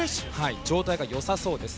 状態が良さそうです。